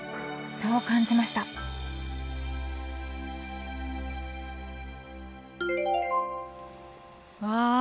そう感じましたわあ。